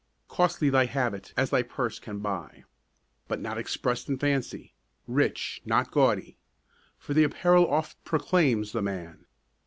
Costly thy habit as thy purse can buy, But not express'd in fancy; rich, not gaudy; For the apparel oft proclaims the man.